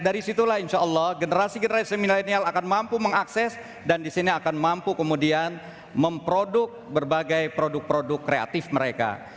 dari situlah insya allah generasi generasi milenial akan mampu mengakses dan di sini akan mampu kemudian memproduk berbagai produk produk kreatif mereka